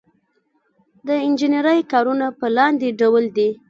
د انجنیری کارونه په لاندې ډول دي.